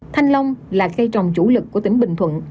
thanh long là cây trồng chủ lực của tỉnh bình thuận